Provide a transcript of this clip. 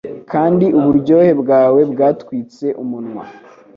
kandi uburyohe bwawe bwatwitse umunwa